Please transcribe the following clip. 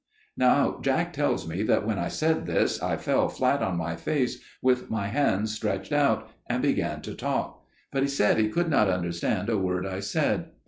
"Now Jack tells me that when I said this I fell flat on my face, with my hands stretched out, and began to talk: but he said he could not understand a word I said.